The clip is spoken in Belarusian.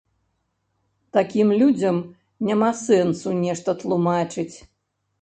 Такім людзям няма сэнсу нешта тлумачыць.